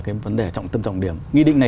cái vấn đề trọng tâm trọng điểm nghị định này